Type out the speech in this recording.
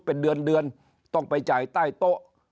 เป็นเดือนเดือนต้องไปจ่ายใต้โต๊ะ